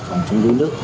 phòng chống đối nước